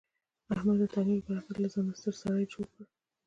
احمد د تعلیم له برکته له ځانه ستر سړی جوړ کړ.